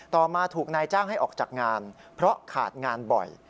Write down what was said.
ต่อมาถูกนายจ้างให้ออกจากงานเพราะขาดงานบ่อย